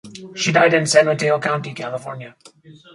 He died in San Mateo County, California.